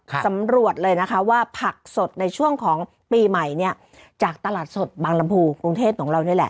สำรวจเลยนะคะว่าผักสดในช่วงของปีใหม่เนี่ยจากตลาดสดบางลำพูกรุงเทพของเรานี่แหละ